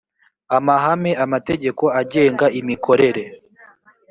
amahame amategeko agenga imikorere